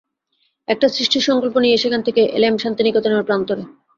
একটা সৃষ্টির সংকল্প নিয়ে সেখান থেকে এলেম শান্তিনিকেতনের প্রান্তরে।